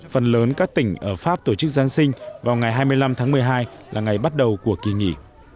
phần lớn các tỉnh ở pháp tổ chức giáng sinh vào ngày hai mươi năm tháng một mươi hai là ngày bắt đầu của kỳ nghỉ